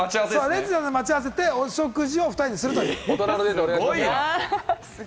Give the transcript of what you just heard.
レストランで待ち合わせて、お食事を２人でするという。